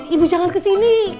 ibu jangan kesini